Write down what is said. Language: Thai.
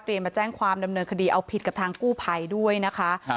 มาแจ้งความดำเนินคดีเอาผิดกับทางกู้ภัยด้วยนะคะ